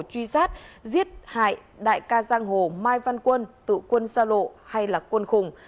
truy sát giết hại đại ca giang hồ mai văn quân tự quân xa lộ hay là quân khùng